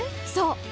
そう！